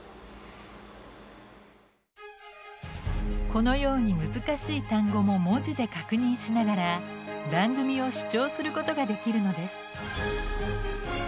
このように難しい単語も文字で確認しながら番組を視聴することができるのです。